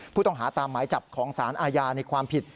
ผู้ต้องหาตามหมายจับของสารอาญาในความผิด